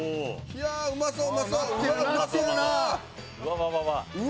いやーうまそう！